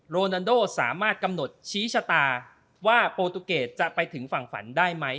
โรนันโดสามารถกำหนดชี้ชะตาว่าโปรตูเกตจะไปถึงฝั่งฝันได้ไหม